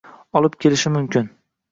olib kelishi mumkin